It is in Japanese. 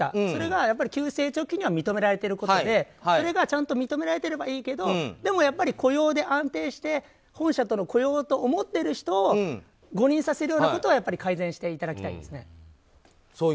それが急成長期には認められてることでそれがちゃんと認められてればいいけどでも雇用で安定して本社での雇用と思ってる人を誤認させるようなことは改善していただきたいです。